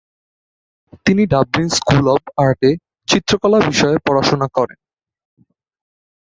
তিনি Dublin school of আর্টে চিত্রকলা বিষয়ে পড়াশোনা করেন।